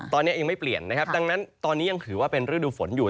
ตอนนี้ยังไม่เปลี่ยนนะครับดังนั้นตอนนี้ยังถือว่าเป็นฤดูฝนอยู่